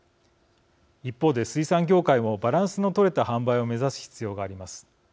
一方で、水産業界もバランスの取れた販売を目指す必要があります。